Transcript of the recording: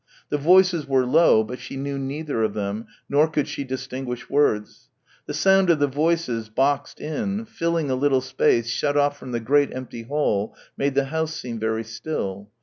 The voices were low, but she knew neither of them, nor could she distinguish words. The sound of the voices, boxed in, filling a little space shut off from the great empty hall made the house seem very still.